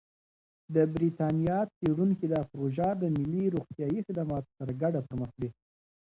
د بریتانیا څېړونکي دا پروژه د ملي روغتیايي خدماتو سره ګډه پرمخ وړي.